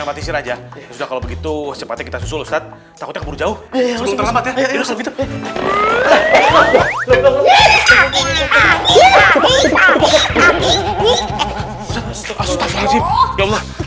amat isi raja sudah kalau begitu cepat kita susul ustadz takutnya keburu jauh